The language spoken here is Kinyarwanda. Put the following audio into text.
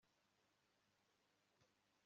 Yanyeganyeje imbunda ivi